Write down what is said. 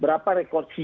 berapa rekod sea games